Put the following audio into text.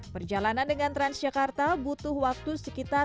perjalanan dengan transjakarta butuh waktu sekitar